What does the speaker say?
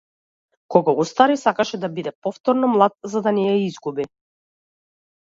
Кога остаре, сакаше да биде повторно млад за да не ја изгуби.